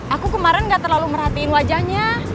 aku kemarin gak terlalu merhatiin wajahnya